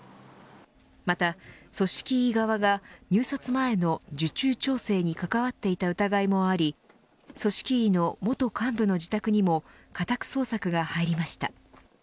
また組織委側が入札前の受注調整に関わっていた疑いもあり組織委の元幹部の自宅にも家宅捜索が入りました。